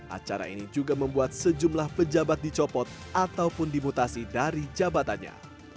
acara ini juga membuat sejumlah pejabat dicopot ataupun dimutasi dari jabatannya